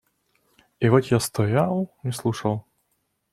И вот я стоял и слушал.